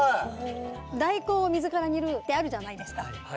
大根を水から煮るってあるじゃないですか。